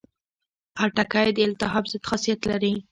خټکی د التهاب ضد خاصیت لري.